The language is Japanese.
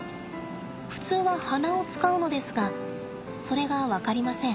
ふつうは鼻を使うのですがそれが分かりません。